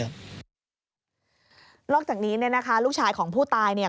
นอกจากนี้เนี่ยนะคะลูกชายของผู้ตายเนี่ย